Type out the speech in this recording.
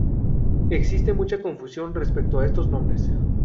Existe mucha confusión respecto a estos nombres.